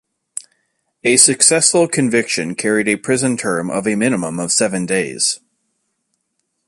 A successful conviction carried a prison term of a minimum of seven days.